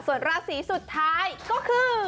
ส่วนราศีสุดท้ายก็คือ